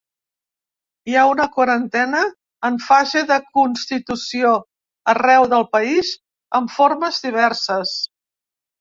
Hi ha una quarantena en fase de constitució arreu del país amb formes diverses.